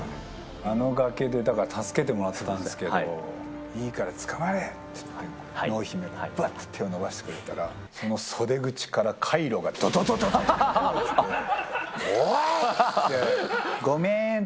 あの崖で、だから助けてもらったんですけれども、いいからつかまれ！って言って、濃姫がばっと手を伸ばしてくれたら、その袖口から、カイロがどどどどどって。